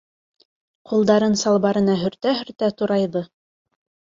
Ҡулдарын салбарына һөртә-һөртә турайҙы.